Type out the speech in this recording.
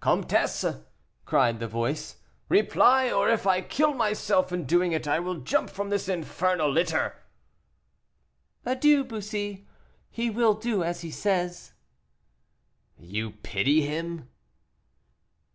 "Comtesse!" cried the voice, "reply, or, if I kill myself in doing it, I will jump from this infernal litter." "Adieu, Bussy, he will do as he says." "You pity him?"